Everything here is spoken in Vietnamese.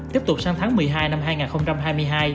tiếp tục sang tháng một mươi hai năm hai nghìn hai mươi hai